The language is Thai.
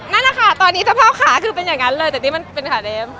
นั่นแหละค่ะตอนนี้สภาพขาคือเป็นอย่างนั้นเลยแต่นี่มันเป็นขาเดฟ